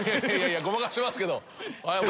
ごまかしてますけど。